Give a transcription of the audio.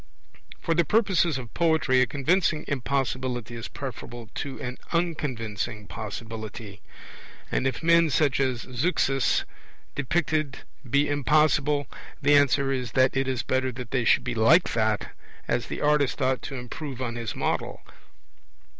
For the purposes of poetry a convincing impossibility is preferable to an unconvincing possibility; and if men such as Zeuxis depicted be impossible, the answer is that it is better they should be like that, as the artist ought to improve on his model.